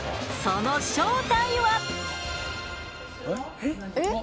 その正体は？えっ？